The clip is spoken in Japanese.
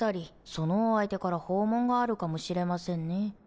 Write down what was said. そのお相手から訪問があるかもしれませんね。